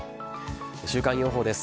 週間予報です。